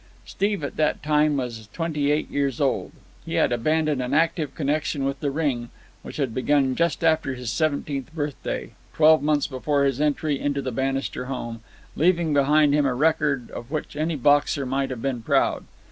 Steve at that time was twenty eight years old. He had abandoned an active connection with the ring, which had begun just after his seventeenth birthday, twelve months before his entry into the Bannister home, leaving behind him a record of which any boxer might have been proud.